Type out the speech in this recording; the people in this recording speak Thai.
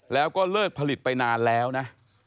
แล้วก็เลิกผลิตไปนานแล้วนะ